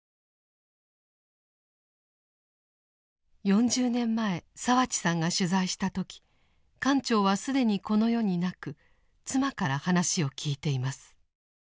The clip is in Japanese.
４０年前澤地さんが取材した時艦長は既にこの世になく妻から話を聞いています。